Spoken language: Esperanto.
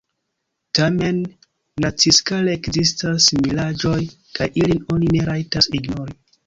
Tamen naciskale ekzistas similaĵoj, kaj ilin oni ne rajtas ignori.